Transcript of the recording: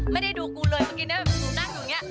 ไม่ได้ดูกูเลยเมื่อกี้เนี่ยหนูนั่งอยู่อย่างนี้